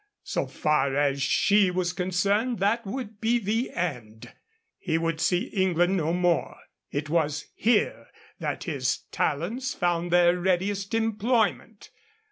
So far as she was concerned that would be the end. He would see England no more. It was here that his talents found their readiest employment.